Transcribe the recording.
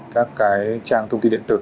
các trang thông tin điện tử